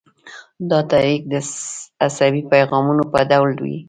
دا تحریک د عصبي پیغامونو په ډول وي.